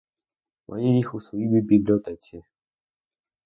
Маю їх у своїй бібліотеці.